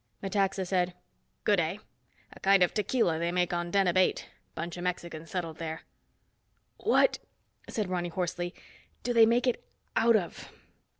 Metaxa said, "Good, eh? A kind of tequila they make on Deneb Eight. Bunch of Mexicans settled there." "What," said Ronny hoarsely, "do they make it out of?"